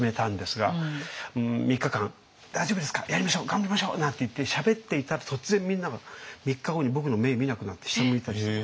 頑張りましょう！」なんて言ってしゃべっていたら突然みんなが３日後に僕の目見なくなって下向いたりして。